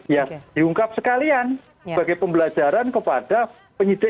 yang diungkap sekalian bagi pembelajaran kepada penyelidikan